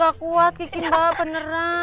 gak kuat kiki mbak beneran